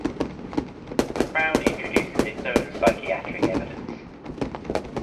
The Crown introduces its own psychiatric evidence.